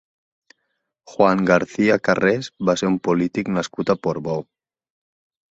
Juan García Carrés va ser un polític nascut a Portbou.